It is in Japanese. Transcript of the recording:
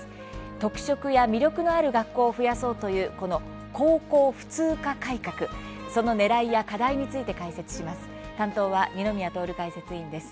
特色や魅力のある学校を増やそうというこの高校普通科改革そのねらいや課題について解説します。